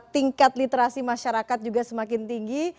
tingkat literasi masyarakat juga semakin tinggi